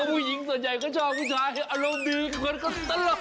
คนผู้หญิงส่วนใหญ่ก็ชอบบน้อยอารมณ์ดีและคนคนตลก